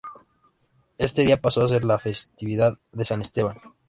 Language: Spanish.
Este día pasó a ser la festividad de san Esteban.